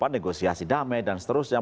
negosiasi damai dan seterusnya